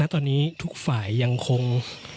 ตอนนี้ทุกฝ่ายยังคง